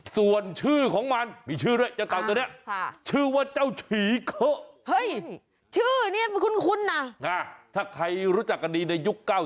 ส่วนชื่อของมันมีชื่อด้วยเจ้าเต่านี้